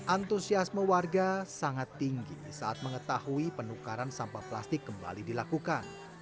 antusiasme warga sangat tinggi saat mengetahui penukaran sampah plastik kembali dilakukan